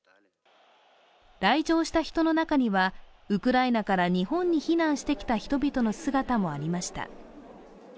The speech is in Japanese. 来場した人の中にはウクライナから日本に避難してきた人々の姿もありました。